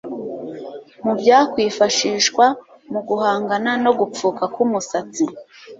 mu byakwifashishwa mu guhangana no gupfuka k'umusatsi